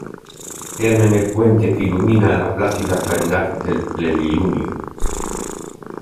heme en el puente que ilumina la plácida claridad del plenilunio.